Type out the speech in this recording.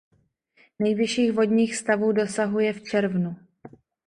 Nejvyšších vodních stavů dosahuje v červnu.